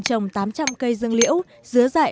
trồng tám trăm linh cây dương liễu dứa dại